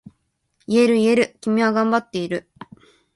言える言える、君は頑張っている。